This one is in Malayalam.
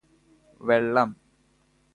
വെള്ളം